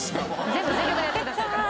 全力でやってくださるから。